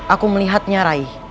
aku melihatnya rai